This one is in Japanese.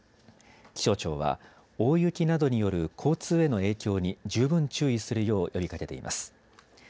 気象庁は大雪などによる交通への影響に十分注意するよう呼びかけています。